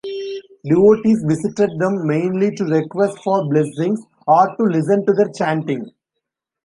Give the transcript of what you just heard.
Devotees visited them mainly to request for blessings or to listen to their chanting.